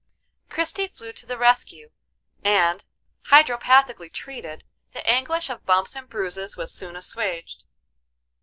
Christie flew to the rescue, and, hydropathically treated, the anguish of bumps and bruises was soon assuaged.